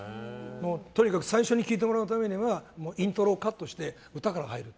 最初に聴いてもらうためにはイントロをカットして歌から入る。